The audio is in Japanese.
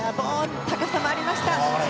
高さもありました！